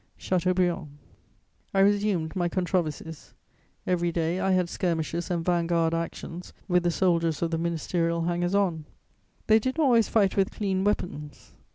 "CHATEAUBRIAND." I resumed my controversies. Every day I had skirmishes and van guard actions with the soldiers of the ministerial hangers on; they did not always fight with clean weapons.